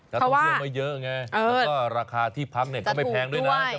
นักท่องเที่ยวไม่เยอะไงแล้วก็ราคาที่พักเนี่ยก็ไม่แพงด้วยนะ